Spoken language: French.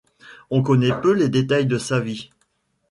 On connaît peu les détails de sa vie.